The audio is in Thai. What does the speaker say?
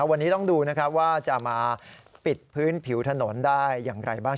วันนี้ต้องดูนะครับว่าจะมาปิดพื้นผิวถนนได้อย่างไรบ้าง